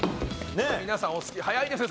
皆さんお好き早いですね